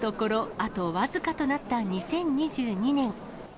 あと僅かとなった２０２２年。